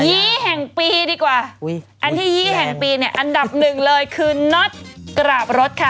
ีแห่งปีดีกว่าอุ้ยอันที่ยี่แห่งปีเนี่ยอันดับหนึ่งเลยคือน็อตกราบรถค่ะ